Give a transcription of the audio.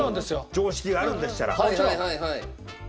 常識があるんでしたら。